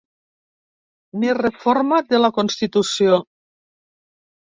Ni reforma de la constitució.